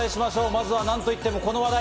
まずはなんといってもこの話題。